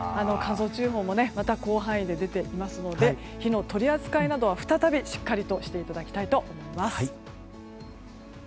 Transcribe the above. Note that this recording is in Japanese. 乾燥注意報もまた広範囲で出てますので火の取り扱いなど、しっかりしていただきたいと思います。